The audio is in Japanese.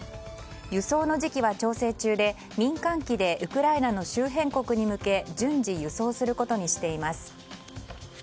輸送の時期は調整中で、民間機でウクライナの周辺国に向け順次輸送することにしています。